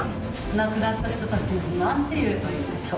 亡くなった人たちになんて言えばいいんでしょう。